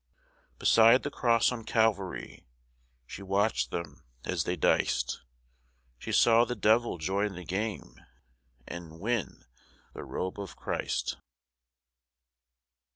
Beside the Cross on Calvary She watched them as they diced. She saw the Devil join the game And win the Robe of Christ.